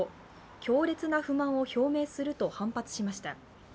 強烈な不満を表明すると反発しました。